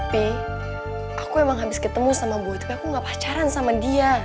pi aku emang habis ketemu sama boy aku enggak pacaran sama dia